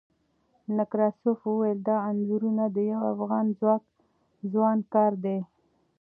نکراسوف وویل، دا انځورونه د یوه افغان ځوان کار دی.